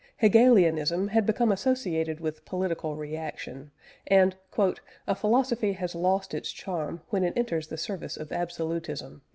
Hegelianism had become associated with political reaction, and "a philosophy has lost its charm when it enters the service of absolutism."